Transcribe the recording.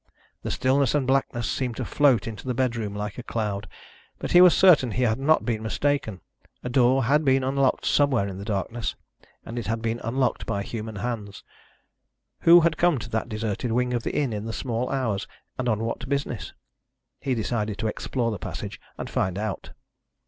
The stillness and blackness seemed to float into the bedroom like a cloud. But he was certain he had not been mistaken. A door had been unlocked somewhere in the darkness, and it had been unlocked by human hands. Who had come to that deserted wing of the inn in the small hours, and on what business? He decided to explore the passage and find out.